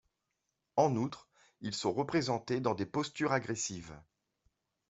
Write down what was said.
En outre, ils sont représentés dans des postures agressives.